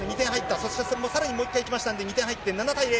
そして、さらにもう一回いきましたんで、２点入って７対０。